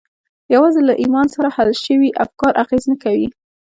یوازې له ایمان سره حل شوي افکار اغېز نه کوي